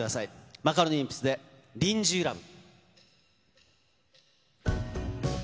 マカロニえんぴつでリンジュー・ラヴ。